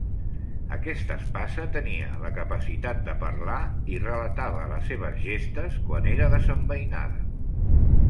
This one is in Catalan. Aquesta espasa tenia la capacitat de parlar i relatava les seves gestes quan era desembeinada.